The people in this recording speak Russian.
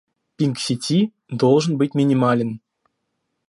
Пинг сети должен быть минимален